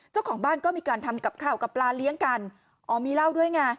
เจ้าของบ้านก็มีการทำกับข้าวกับปลาเลี้ยงกันอ๋อมีเหล้าด้วยไง